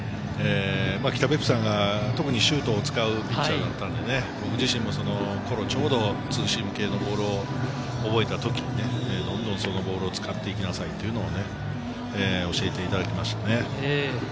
北別府さんが特にシュートを使うピッチャーだったので、僕自身もその頃ちょうどツーシーム系のボールを覚えたときどんどん、そのボールを使っていきなさいというのを教えていただきましたね。